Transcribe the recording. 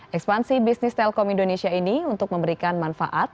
ekspansi bisnis telkom indonesia ini untuk memberikan manfaat